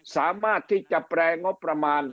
สามารถที่จะแปรงบประมาณ